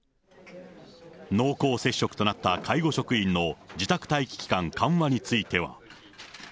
濃厚接触となった介護職員の自宅待機期間緩和については。